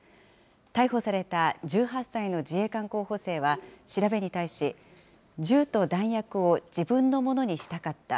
逮捕された１８歳の自衛官候補生は調べに対し、銃と弾薬を自分ものにしたかった。